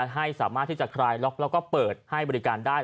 ให้สามารถที่จะคลายล็อกแล้วก็เปิดให้บริการได้